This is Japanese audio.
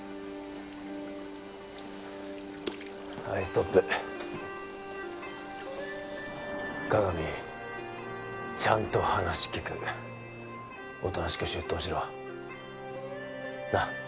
はいストップ加々見ちゃんと話聞くおとなしく出頭しろなっ